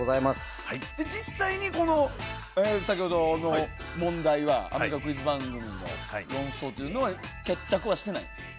実際に先ほどの問題はアメリカのクイズ番組の論争というのは決着はしていないんですか？